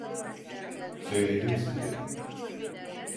Söyledim size.